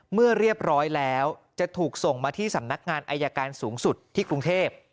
เรียบร้อยแล้วจะถูกส่งมาที่สำนักงานอายการสูงสุดที่กรุงเทพ